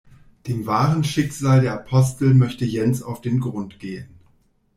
Dem wahren Schicksal der Apostel möchte Jens auf den Grund gehen.